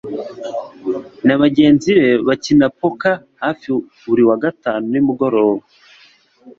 na bagenzi be bakina poker hafi buri wa gatanu nimugoroba.